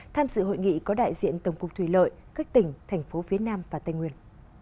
tham dự hội nghị có đại diện tổng cục thủy lợi các tỉnh thành phố phía nam và tây nguyên